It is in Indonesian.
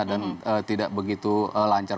dan tidak begitu lancar